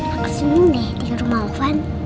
aku senang deh tidur di rumah valuvan